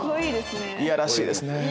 いやらしいですね。